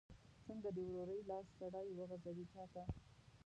څنګه د ورورۍ لاس سړی وغځوي چاته؟